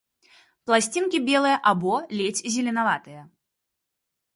Пласцінкі белыя або ледзь зеленаватыя.